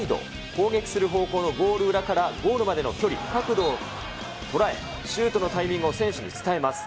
攻撃する方向のゴール裏からゴールまでの距離、角度を捉え、シュートのタイミングを選手に伝えます。